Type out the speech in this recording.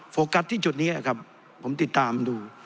โฟกัสที่จุดนี้ครับผมติดตามดู